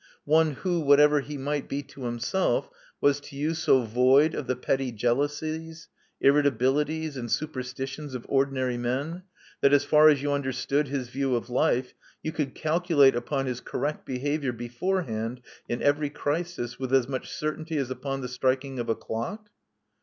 One who, whatever he might be to himself, was to you so void of the petty jealousies, irritabilities, and superstitions of ordinary men, that, as far as you understood his view of life, you could calculate upon his correct behavior before hand in every crisis with as much certainty as upon the striking of a clock?"